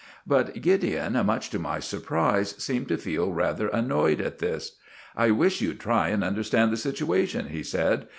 But Gideon, much to my surprise, seemed to feel rather annoyed at this. "I wish you'd try and understand the situation," he said.